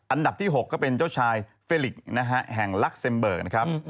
อันดับที่๖ก็เป็นเจ้าชายเฟลิกนะฮะแห่งลักเซมเบิกนะครับ